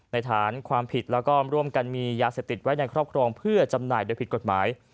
ฐานความผิดแล้วก็ร่วมกันมียาเสพติดไว้ในครอบครองเพื่อจำหน่ายโดยผิดกฎหมาย